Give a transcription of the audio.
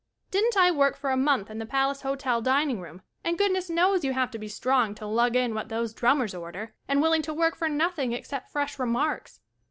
Didn't I work for a month in the Palace Hotel din ing room and goodness knows you have to be strong to lug in what those drummers order and willing to work for nothing ex cept fresh remarks.